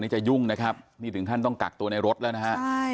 นี่จะยุ่งนะครับนี่ถึงขั้นต้องกักตัวในรถแล้วนะฮะใช่